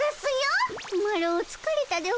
マロつかれたでおじゃる。